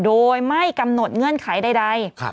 โดยไม่กำหนดเงื่อนไขใด